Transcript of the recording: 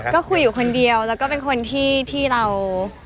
ก็คุยอยู่คนเดียวแล้วก็เป็นคนที่เรา